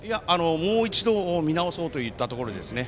もう一度、見直そうといったところですね。